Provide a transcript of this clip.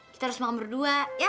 kita harus makan berdua ya